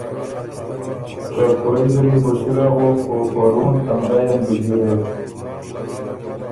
که کُورئ زر يې بو سِر اغوک او په رُونړ تندئ ان بُو جیرېک۔